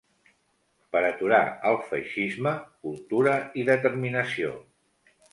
Per aturar el feixisme, cultura i determinació.